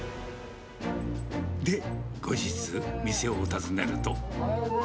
で、後日、店を訪ねると。